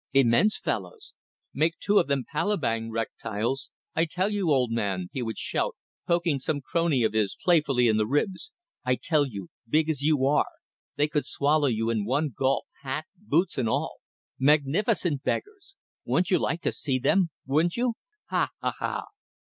"Immense fellows! Make two of them Palembang reptiles! I tell you, old man!" he would shout, poking some crony of his playfully in the ribs: "I tell you, big as you are, they could swallow you in one gulp, hat, boots and all! Magnificent beggars! Wouldn't you like to see them? Wouldn't you! Ha! ha! ha!"